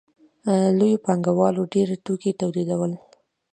لویو پانګوالو ډېر توکي تولیدول